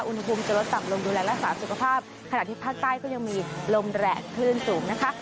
คุณผู้มีโทรศัพท์ลงดูแลรักษาสุขภาพขณะที่ภาคใต้ก็ยังมีลมแหลกพลื่นสูงนะคะ